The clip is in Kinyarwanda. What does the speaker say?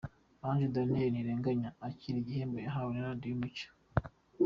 Ange Daniel Ntirenganya yakira igihembo cyahawe Radio Umucyo.